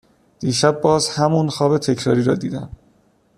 دیشب باز همون خواب تکراری رو دیدم